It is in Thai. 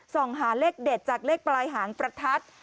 ส่องหาเลขเด็ดจากเลขปลายหางประทัด